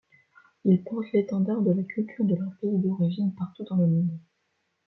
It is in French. Il porte l’étendard de la culture de leur pays d’origine partout dans le monde.